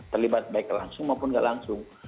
terlibat baik langsung maupun nggak langsung